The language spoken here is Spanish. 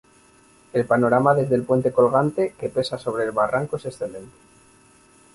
El panorama desde el puente colgante que pesa sobre el barranco es excelente.